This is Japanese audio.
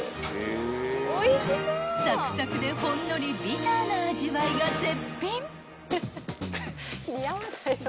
［サクサクでほんのりビターな味わいが絶品］